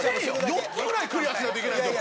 ４つぐらいクリアしないといけないんですよ。